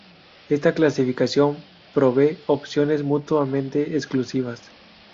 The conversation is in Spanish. Esta clasificación provee opciones mutuamente exclusivas.